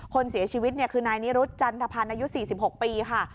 คนเสียชีวิตคือนายนิรุธจันทพันธ์อายุ๔๖ปีค่ะ